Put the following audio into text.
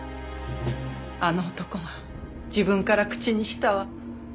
あの男は自分から口にしたわ。